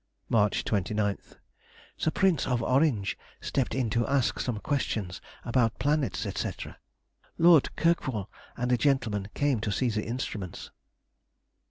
March 29th.—The Prince of Orange stepped in to ask some questions about planets, &c. Lord Kirkwall and a gentleman came to see the instruments.